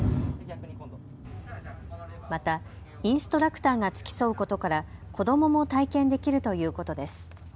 またインストラクターが付き添うことから子どもも体験できるということです。